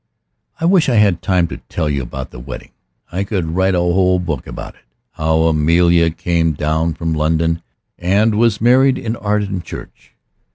I wish I had time to tell you about the wedding. I could write a whole book about it. How Amelia came down from London and was married in Arden Church.